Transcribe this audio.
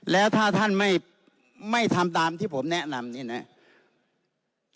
แล้วถ้าท่านไม่ทำตามที่ผมแนะนำนี่นะครับ